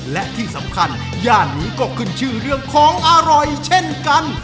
และที่สำคัญย่านนี้ก็ขึ้นชื่อเรื่องของอร่อยเช่นกัน